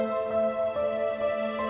tidak ada yang bisa diberikan kepadanya